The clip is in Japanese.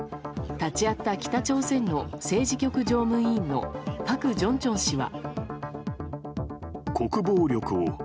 立ち会った北朝鮮の政治局常務委員のパク・ジョンチョン氏は。